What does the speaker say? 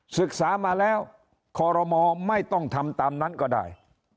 ศึกษามาแล้วคอรมอไม่ต้องทำตามนั้นก็ได้